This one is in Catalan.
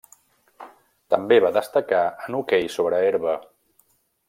També va destacar en hoquei sobre herba.